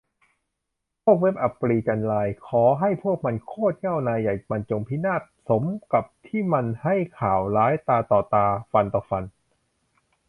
พวกเว็บอัปรีย์จันราย ขอให้พวกมัน โคตรเหง้า นายใหญ่มันจงพินาศสมกับที่มันให้ข่าวร้าย ตาต่อตา ฟันต่อฟัน